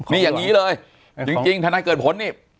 นี่อย่างนี้เลยจริงทนายเกิดผลนี่